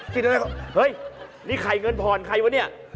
กินอะไรหอมเฮ้ยนี่ไข่เงินพรใครวะนี่